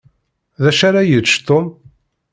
D acu ara yečč Tom?